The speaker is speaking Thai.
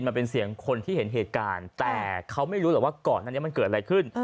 มันเป็นเสียงคนที่เห็นเหตุการณ์แต่เขาไม่รู้หรอกว่าก่อนอันนี้มันเกิดอะไรขึ้น